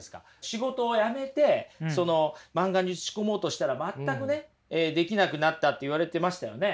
仕事を辞めて漫画に打ち込もうとしたら全くできなくなったって言われてましたよね。